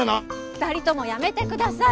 ２人ともやめてください！